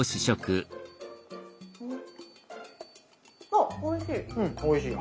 あおいしい。